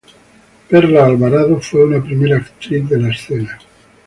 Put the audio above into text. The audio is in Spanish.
Perla Alvarado fue una primera actriz de la escena.